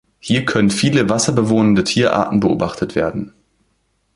Hier können viele Wasser bewohnende Tierarten beobachtet werden.